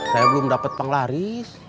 saya belum dapet panglaris